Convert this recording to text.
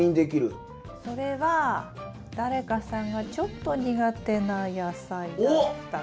それは誰かさんがちょっと苦手な野菜だったかな。